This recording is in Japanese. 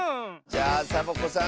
じゃあサボ子さん